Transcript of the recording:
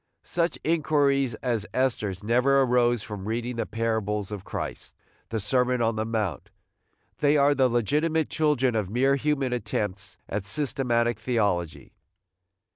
Such inquiries as Esther's never arose from reading the parables of Christ, the Sermon on the Mount: they are the legitimate children of mere human attempts at systematic theology.